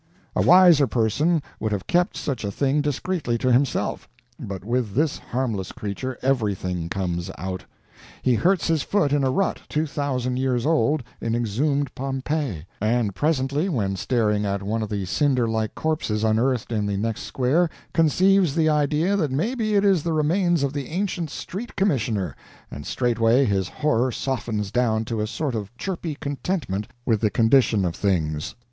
A wiser person would have kept such a thing discreetly to himself, but with this harmless creature everything comes out. He hurts his foot in a rut two thousand years old in exhumed Pompeii, and presently, when staring at one of the cinder like corpses unearthed in the next square, conceives the idea that maybe it is the remains of the ancient Street Commissioner, and straightway his horror softens down to a sort of chirpy contentment with the condition of things.